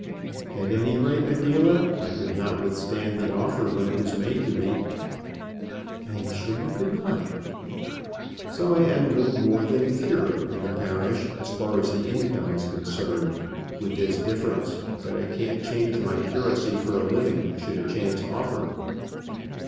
"At any rate, Adela, I could not withstand the offer when it was made to me." "I am sure you could not." "So I am little more than a curate in the parish as far as the income is concerned; with this difference, that I can't change my curacy for a living should a chance offer."